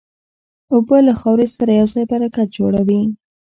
اوبه له خاورې سره یوځای برکت جوړوي.